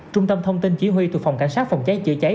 trung tâm thông tin chỉ huy thuộc phòng cảnh sát phòng cháy chữa cháy